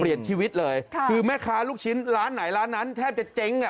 ชีวิตเลยค่ะคือแม่ค้าลูกชิ้นร้านไหนร้านนั้นแทบจะเจ๊งอ่ะ